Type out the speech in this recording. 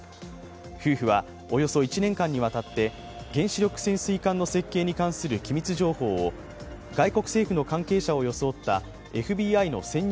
夫婦はおよそ１年間にわたって原子力潜水艦の設計に関する機密情報を外国政府の関係者を装ったＦＢＩの潜入